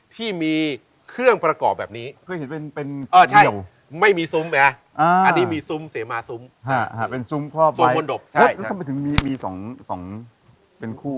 ที่มีเครื่องประกอบแบบนี้ไม่มีซุมเนี่ยอันนี้มีซุมเสมาซุมเป็นซุมพ่อบร้อยแล้วทำไมถึงมี๒เป็นคู่